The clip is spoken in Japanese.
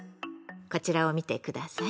こちらを見て下さい。